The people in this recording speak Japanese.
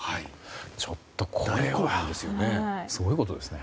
ちょっとこれはすごいことですね。